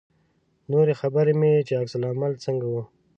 نورې خبرې مې چې عکس العمل څنګه و.